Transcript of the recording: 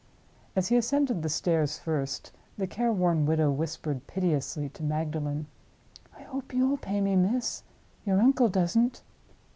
As he ascended the stairs first, the care worn widow whispered, piteously, to Magdalen, "I hope you'll pay me, miss. Your uncle doesn't."